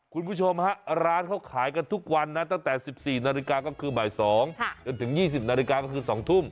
คุณผู้ชมฮะร้านเขาขายกันทุกวันนะตั้งแต่๑๔นาฬิกาก็คือบ่าย๒จนถึง๒๐นาฬิกาก็คือ๒ทุ่ม